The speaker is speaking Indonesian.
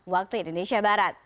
waktu indonesia barat